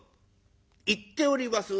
言っております